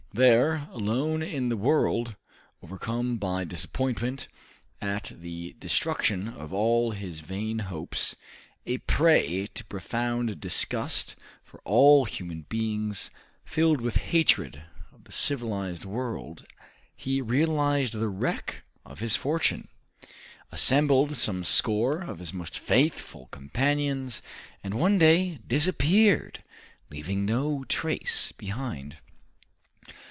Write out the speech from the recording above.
There, alone in the world, overcome by disappointment at the destruction of all his vain hopes, a prey to profound disgust for all human beings, filled with hatred of the civilized world, he realized the wreck of his fortune, assembled some score of his most faithful companions, and one day disappeared, leaving no trace behind.